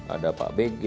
ada pak bg